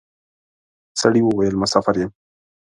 سړي وويل: مساپر یم.